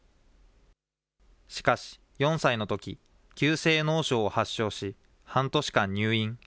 しかし、４歳のとき、急性脳症を発症し、半年間入院。